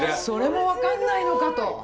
それも分かんないのかと。